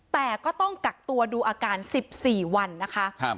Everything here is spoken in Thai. แต่ก็ต้องกักตัวดูอาการ๑๔วันนะคะ